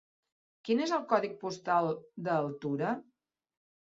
Quin és el codi postal d'Altura?